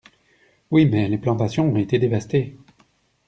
Oui, mais les plantations ont été dévastées.